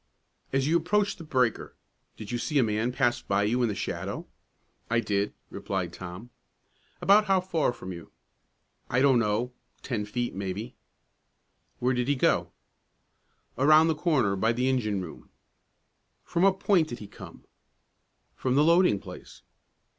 "As you approached the breaker, did you see a man pass by you in the shadow?" "I did," replied Tom. "About how far from you?" "I don't know; ten feet, maybe." "Where did he go?" "Around the corner, by the engine room." "From what point did he come?" "From the loading place."